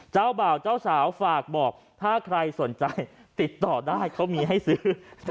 เจ้าบ่าวเจ้าสาวฝากบอกถ้าใครสนใจติดต่อได้เขามีให้ซื้อ